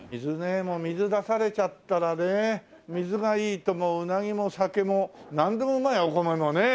もう水出されちゃったらね水がいいともううなぎも酒もなんでもうまいわお米もね。